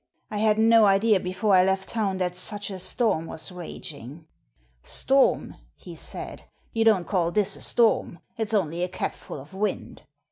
I had no idea before I left town that such a storm was raging.' ' Storm !' he said, ' you don't call this a storm. It's only a capful of wind